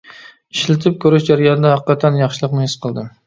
ئىشلىتىپ كۆرۈش جەريانىدا ھەقىقەتەن ياخشىلىقىنى ھېس قىلدىم.